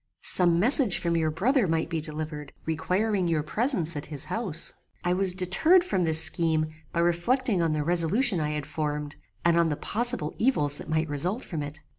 Some message from your brother might be delivered, requiring your presence at his house. I was deterred from this scheme by reflecting on the resolution I had formed, and on the possible evils that might result from it.